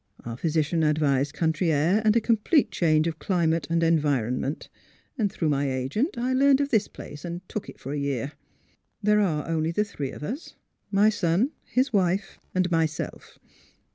Our physician advised country air and a complete change of climate and environment. Through my agent I learned of this place, and took it for a year. There are only the three of us — my son, his wife and myself.